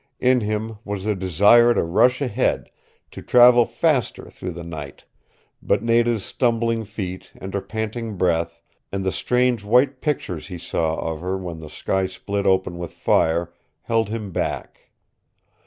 In him was the desire to rush ahead, to travel faster through the night, but Nada's stumbling feet and her panting breath and the strange white pictures he saw of her when the sky split open with fire held him back.